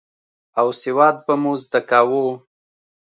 او سواد به مو زده کاوه.